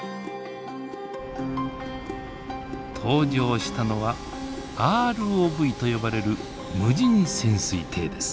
登場したのはＲＯＶと呼ばれる無人潜水艇です。